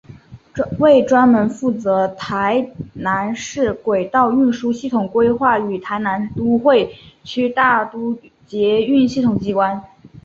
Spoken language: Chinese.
为专门负责台南市轨道运输系统规划与台南都会区大众捷运系统机关。